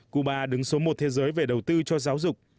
cuba đứng số một thế giới về đầu tư cho giáo dục